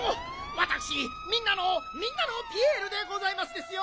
わたくしみんなのみんなのピエールでございますですよ！